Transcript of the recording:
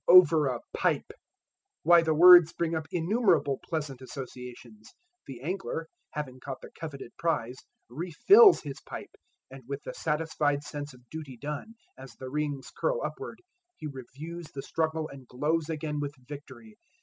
"Over a pipe!" Why the words bring up innumerable pleasant associations. The angler, having caught the coveted prize, refills his pipe, and with the satisfied sense of duty done, as the rings curl upward he reviews the struggle and glows again with victory.